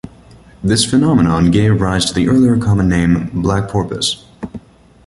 This phenomenon gave rise to the earlier common name, black porpoise.